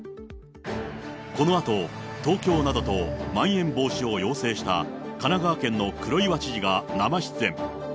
このあと、東京などとまん延防止を要請した神奈川県の黒岩知事が生出演。